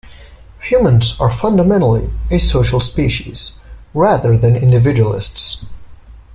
Humans are fundamentally a social species, rather than individualists.